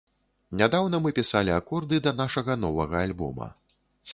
Нядаўна мы пісалі акорды да нашага новага альбома.